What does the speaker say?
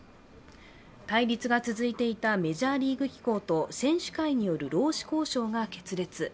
対立が続いていたメジャーリーグ機構と選手会による労使交渉が決裂。